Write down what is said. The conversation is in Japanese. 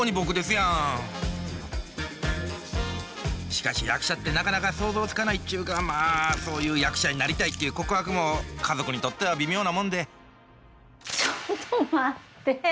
しかし役者ってなかなか想像つかないっちゅうかまあそういう役者になりたいっていう告白も家族にとっては微妙なもんでちょっと待って。